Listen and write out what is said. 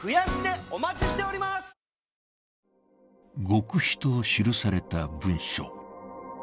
極秘と記された文書。